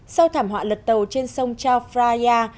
sau thảm họa lật tàu trên sông chao phraya